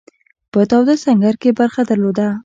په تاوده سنګر کې برخه درلوده.